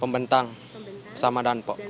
pembentang sama danpok